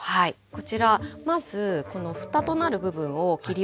こちらまずこのふたとなる部分を切り落とします。